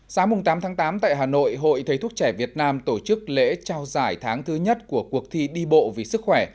sáng tám tháng tám tại hà nội hội thầy thuốc trẻ việt nam tổ chức lễ trao giải tháng thứ nhất của cuộc thi đi bộ vì sức khỏe